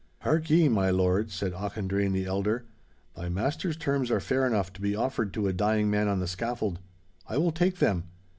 'Hark ye, my lord,' said Auchendrayne the elder, 'thy master's terms are fair enough to be offered to a dying man on the scaffold. I will take them.